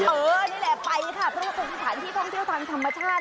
เออนี่แหละไปค่ะเพื่อนคนผู้ผ่านที่ท่องเที่ยวทางธรรมชาติ